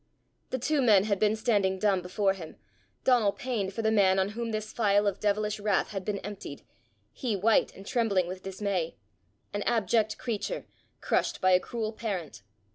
The two men had been standing dumb before him, Donal pained for the man on whom this phial of devilish wrath had been emptied, he white and trembling with dismay an abject creature, crushed by a cruel parent.